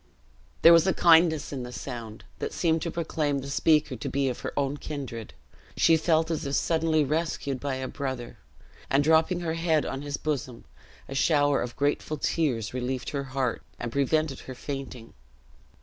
There was a kindness in the sound, that seemed to proclaim the speaker to be of her own kindred; she felt as if suddenly rescued by a brother; and dropping her head on his bosom, a shower of grateful tears relieved her heart, and prevented her fainting.